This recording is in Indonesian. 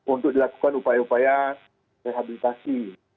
untuk dilakukan upaya upaya rehabilitasi